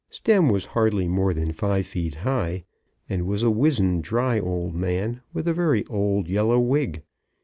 Stemm was hardly more than five feet high, and was a wizened dry old man, with a very old yellow wig.